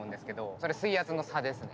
それ水圧の差ですね。